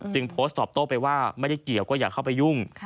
โพสต์ตอบโต้ไปว่าไม่ได้เกี่ยวก็อย่าเข้าไปยุ่ง